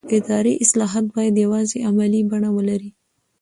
اداري اصلاحات باید یوازې عملي بڼه ولري